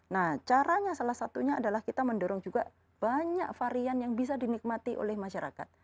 nah caranya salah satunya adalah kita mendorong juga banyak varian yang bisa dinikmati oleh masyarakat